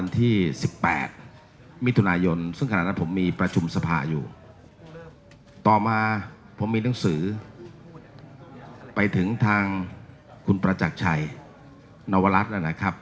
ต่อมาผมมีหนังสือไปถึงทางคุณประจักรชัยนวรัตน์นะครับ